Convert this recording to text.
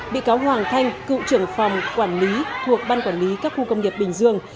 bị cáo hoàng thanh cựu trưởng phòng quản lý thuộc ban quản lý các khu công nghiệp bình dương